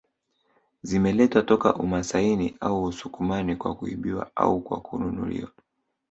Zimeletwa toka umasaini au usukumani kwa kuibiwa au kwa kununuliwa